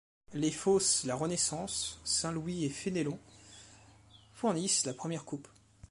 Les fosses La Renaissance, Saint Louis et Fénelon fournissent la première coupe.